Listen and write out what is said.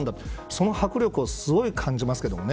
その迫力をすごい感じますけどね。